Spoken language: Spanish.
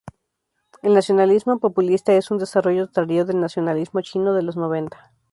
El nacionalismo populista es un desarrollo tardío del nacionalismo chino de los noventa.